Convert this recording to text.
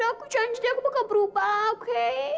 aku janji aku bakal berubah oke